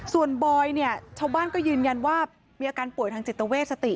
ส่วนบอยเนี่ยชาวบ้านก็ยืนยันว่ามีอาการป่วยทางจิตเวทสติ